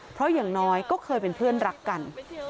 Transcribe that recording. เพราะอย่างน้อยก็เคยเป็นเพื่อนรักกัน